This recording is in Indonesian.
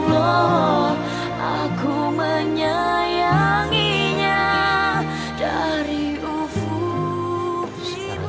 adi allah tuhan akan membantu batu dari alam ilpi dapat tahan